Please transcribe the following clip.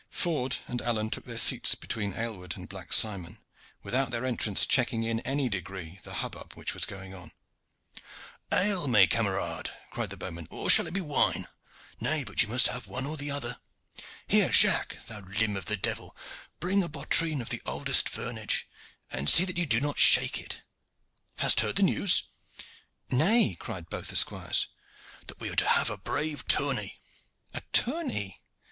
Ford and Alleyne took their seats between Aylward and Black Simon, without their entrance checking in any degree the hubbub which was going on. "Ale, mes camarades?" cried the bowman, "or shall it be wine? Nay, but ye must have the one or the other. Here, Jacques, thou limb of the devil, bring a bottrine of the oldest vernage, and see that you do not shake it. Hast heard the news?" "Nay," cried both the squires. "That we are to have a brave tourney." "A tourney?"